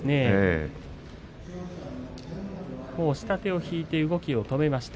下手を引いて動きを止めました。